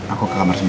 aku ke kamar sebentar